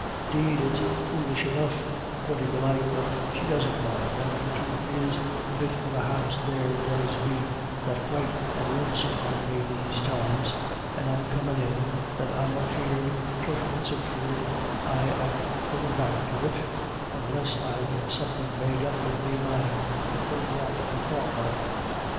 'Deed it's foolish enough, very belike, but she doesn't mind* and the truth is, the bit of a house there does be that quite and lonesome on me these times and I comin' in, that I'm afeard, troth it's afeard I am goin' back to it, onless I've some thin' made up in me mind to hould off the thought like.